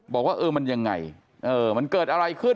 บอกว่าเออมันยังไงมันเกิดอะไรขึ้น